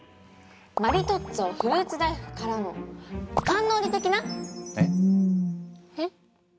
マリトッツォフルーツ大福からのカンノーリ的な⁉えっ？えっ？